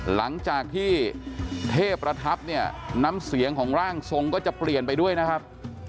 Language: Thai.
หลังจากที่เทพประทับเนี่ยน้ำเสียงของร่างทรงก็จะเปลี่ยนไปด้วยนะครับ